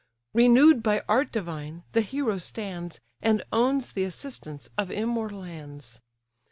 Renew'd by art divine, the hero stands, And owns the assistance of immortal hands.